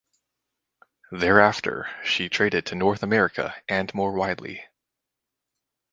Thereafter she traded to North America and more widely.